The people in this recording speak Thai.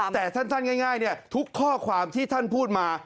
แต่สั้นง่ายทุกข้อความที่ท่านพูดมา